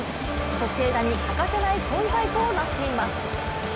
ソシエダに欠かせない存在となっています。